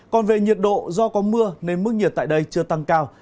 còn về nhiệt độ do có mưa nên mức nhiệt tại đây chưa tăng cao